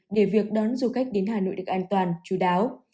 để việc đón du khách đến hà nội được an toàn chú đáo